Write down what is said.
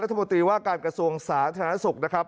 รัฐบุรตรีว่าการกระทรวงศาสนธนศักดิ์ศพ